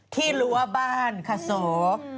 ที่รัวบ้านค่ะส่วง